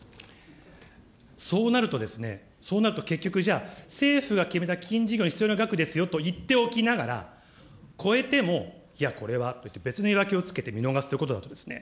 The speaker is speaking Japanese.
そうなると、そうなると結局、じゃあ、政府が決めた基金事業に必要な額ですよと言っておきながら、超えても、いやこれはって、別の言い訳をつけて見逃すということだと思うんですね。